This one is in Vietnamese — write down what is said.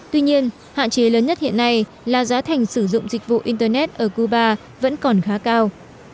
tuy nhiên hạn chế lớn nhất hiện nay là giá thành sử dụng dịch vụ internet ở cuba vẫn còn khá cao